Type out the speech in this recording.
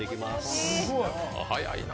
早いな。